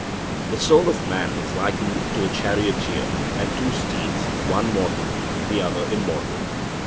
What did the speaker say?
The soul of man is likened to a charioteer and two steeds, one mortal, the other immortal.